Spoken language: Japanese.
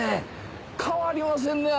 変わりませんね